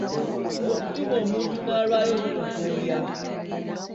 Bw’otuma omuntu n’alwayo bikukooya.